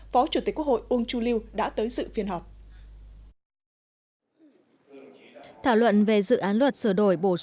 phó chủ tịch quốc hội uông chu lưu đã tới sự phiên họp